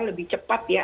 lebih cepat ya